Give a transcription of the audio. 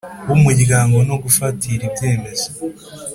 b Umuryango no gufatira ibyemezo